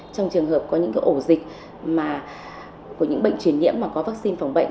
trong trường hợp có những ổ dịch của những bệnh truyền nhiễm mà có vắc xin phòng bệnh